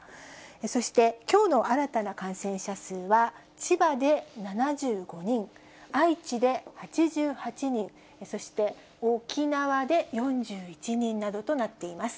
そして、きょうの新たな感染者数は、千葉で７５人、愛知で８８人、そして沖縄で４１人などとなっています。